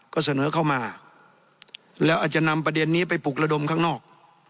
ก็เสนอเข้ามาแล้วอาจจะนำประเด็นนี้ไปปลุกระดมข้างนอก